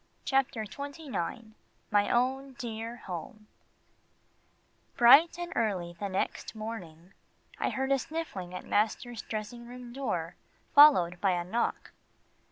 CHAPTER XXIX MY OWN DEAR HOME Bright and early the next morning, I heard a sniffling at master's dressing room door, followed by a knock.